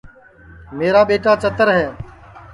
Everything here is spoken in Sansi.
میرا ٻیٹا چتر ہے